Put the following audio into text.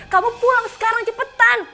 kamu pulang sekarang cepetan